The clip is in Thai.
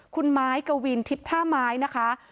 คุณไม้กวินทิพย์ท่าไม้นะคะ